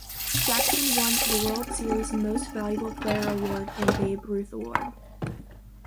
Jackson won the World Series Most Valuable Player Award and Babe Ruth Award.